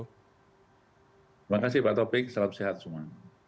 terima kasih pak topik salam sehat semua